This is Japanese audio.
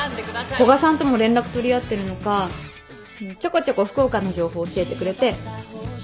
古賀さんとも連絡取り合ってるのかちょこちょこ福岡の情報教えてくれて。